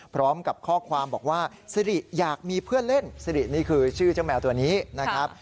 พร้อมกับข้อความบอกว่าสิริอยากมีเพื่อนเล่นซิรินี่คือชื่อเจ้าแมวตัวนี้นะครับ